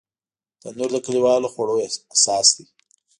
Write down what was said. تنور د کلیوالو خوړو اساس دی